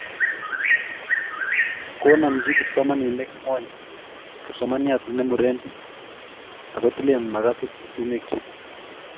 Konamji kipsomaninik ng'ony kipsomaniat ne muren akotilen magasit sumek chik.